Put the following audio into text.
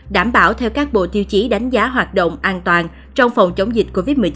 đảm bảo theo các bộ tiêu chí đánh giá hoạt động an toàn trong phòng chống dịch covid một mươi chín